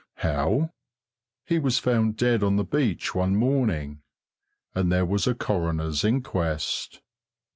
How? He was found dead on the beach one morning, and there was a coroner's inquest.